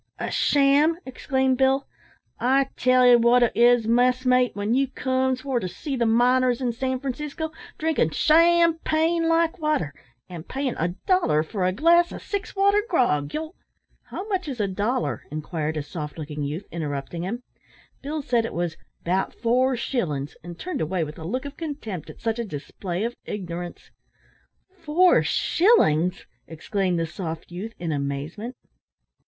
"A sham!" exclaimed Bill. "I tell 'e wot it is, messmate, when you comes for to see the miners in San Francisco drinkin' _sham_pain like water, an' payin' a dollar for a glass o' six water grog, you'll " "How much is a dollar?" inquired a soft looking youth, interrupting him. Bill said it was "'bout four shillin's," and turned away with a look of contempt at such a display of ignorance. "Four shillin's!" exclaimed the soft youth, in amazement.